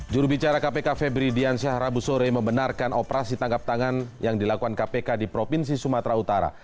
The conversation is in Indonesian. jurubicara kpk febri diansyahrabu sore membenarkan operasi tangkap tangan yang dilakukan kpk di provinsi sumatera utara